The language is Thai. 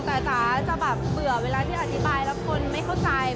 แต่จ๋าจะแบบเบื่อเวลาที่อธิบายแล้วคนไม่เข้าใจ